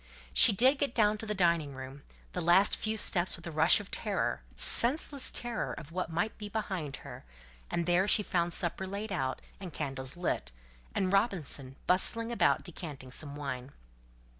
She did get down to the dining room, the last few steps with a rush of terror, senseless terror of what might be behind her; and there she found supper laid out, and candles lit, and Robinson bustling about decanting some wine.